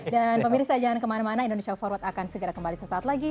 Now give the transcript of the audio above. dan pemirsa jangan kemana mana indonesia forward akan segera kembali sesaat lagi